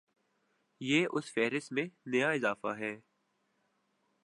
یہ اس فہرست میں نیا اضافہ ہے